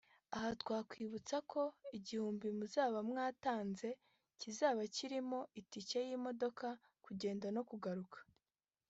Aha twakwibutsa ko igihumbi muzaba mwatanze kizaba kirimo itike y’imodoka kugenda no kugaruka